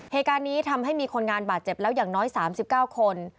เหตุการณ์นี้ทำให้มีคนงานบาดเจ็บแล้วอย่างน้อย๓๙คน